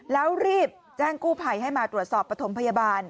แล้วรีบแจ้งกู้ภัยให้มาตรวจสอบปฐมพยาบาล